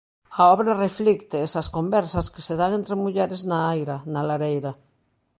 A obra reflicte esas conversas que se dan entre mulleres na aira, na lareira.